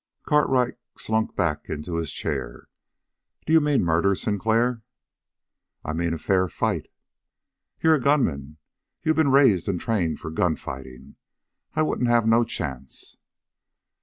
Cartwright slunk back in his chair. "Do you mean murder, Sinclair?" "I mean a fair fight." "You're a gunman. You been raised and trained for gunfighting. I wouldn't have no chance!"